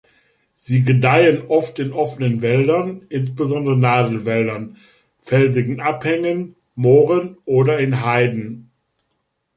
Sie gedeihen oft in offenen Wäldern, insbesondere Nadelwäldern, felsigen Abhängen, Mooren oder in Heiden.